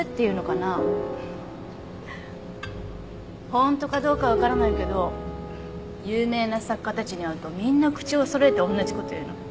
ホントかどうか分からないけど有名な作家たちに会うとみんな口を揃えておんなじこと言うの。